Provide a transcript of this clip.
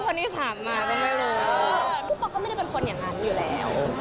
พี่ป๊อกก็ไม่ได้เป็นคนอย่างนั้นอยู่แล้ว